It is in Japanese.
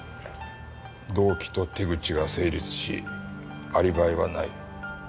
動機と手口が成立しアリバイはない。